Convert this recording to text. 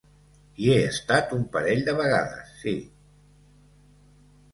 Hi he estat un parell de vegades, sí.